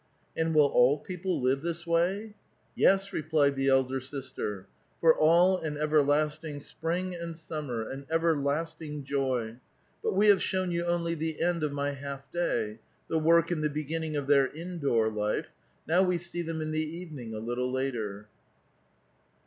"And will all people live this way?" " Yes," replied the elder sister. " For all an everlasting spring and summer, an everlasting joy ! But we have shown you only the end of my half day — the work and the begin ning of their indoor life ; now we see them in the evening, a little later."